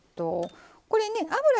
これね油